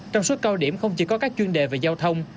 trong suốt cao điểm không chỉ có các chuyên đề về giao thông